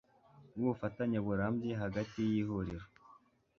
bw ubufatanye burambye hagati y Ihuriro